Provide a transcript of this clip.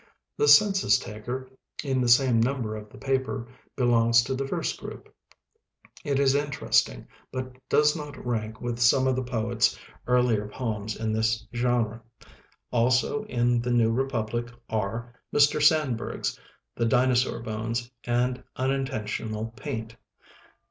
"The Census Taker", in the same number of the paper, belongs to the first group; it is interesting, but does not rank with some of the poet's earlier poems in this genre. Also in "The New Re public", are Mr. Sandburg's "The Dinosaur Bones" and "Unintentional Paint".